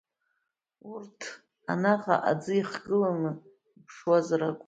Урҭ анаҟа аӡы иахагыланы иԥшуаз ракәын.